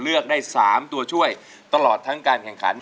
เลือกได้๓ตัวช่วยตลอดทั้งการแข่งขัน